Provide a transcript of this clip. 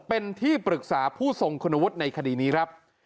เป็นที่ปรึกษาผู้ทรงคุณวุฒิในคดีนี้ครับ